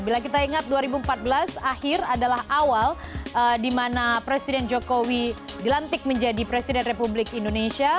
bila kita ingat dua ribu empat belas akhir adalah awal di mana presiden jokowi dilantik menjadi presiden republik indonesia